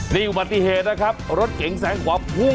นี่อุบัติเหตุนะครับรถเก๋งแสงขวาพุ่ง